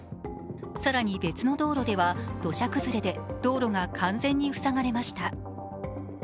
更に別の道路では土砂崩れで道路が完全に塞がれました。